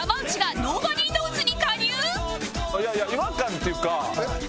いやいや違和感っていうか。